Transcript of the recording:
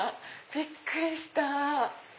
びっくりした！